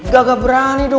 gak berani dong